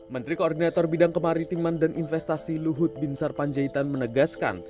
menteri koordinator bidang kemaritiman dan investasi luhut binsar panjaitan menegaskan